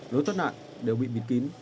lối thoát nạn đều bị biệt kỳ